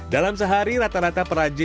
dalam sehari rata rata perajin